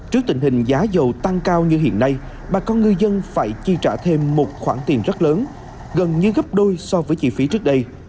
trước tình hình giá dầu tăng cao như hiện nay bà con ngư dân phải chi trả thêm một khoản tiền rất lớn gần như gấp đôi so với chi phí trước đây